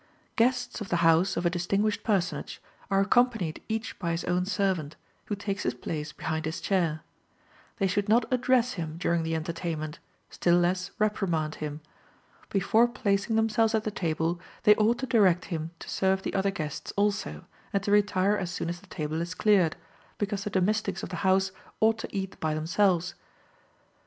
Guests of the house of a distinguished personage are accompanied each by his own servant, who takes his place behind his chair. They should not address him during the entertainment, still less reprimand him. Before placing themselves at the table, they ought to direct him to serve the other guests also, and to retire as soon as the table is cleared, because the domestics of the house ought to eat by themselves.